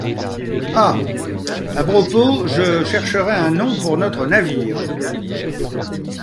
Ah! à propos, je chercherai un nom pour notre navire !...